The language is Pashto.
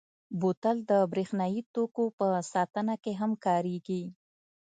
بوتل د برېښنايي توکو په ساتنه کې هم کارېږي.